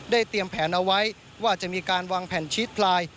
เตรียมแผนเอาไว้ว่าจะมีการวางแผ่นชีสลาย